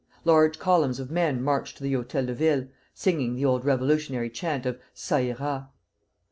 Large columns of men marched to the Hôtel de Ville, singing the old revolutionary chant of "Ça ira."